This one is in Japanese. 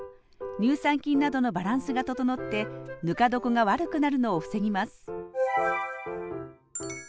乳酸菌などのバランスが整ってぬか床が悪くなるのを防ぎます